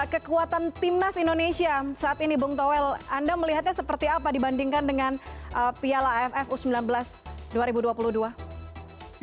kekuatan timnas indonesia saat ini bung toel anda melihatnya seperti apa dibandingkan dengan piala aff u sembilan belas dua ribu dua puluh dua